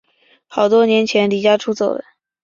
好多年前离家出走了